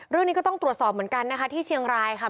เรื่องนี้ก็ต้องตรวจสอบเหมือนกันนะคะที่เชียงรายค่ะ